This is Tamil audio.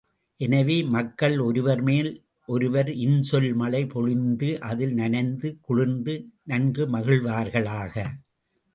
எனவே, மக்கள் ஒருவர்மேல் ஒருவர் இன்சொல் மழை பொழிந்து அதில் நனைந்து குளிர்ந்து நன்கு மகிழ்வார்களாக!